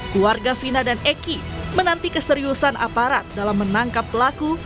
keluarga fina dan eki menanti keseriusan aparat dalam menangkap pelaku